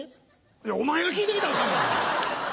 いやお前が聞いてきたらあかんねん。